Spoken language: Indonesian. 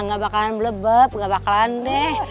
gak bakalan bleb bleb gak bakalan deh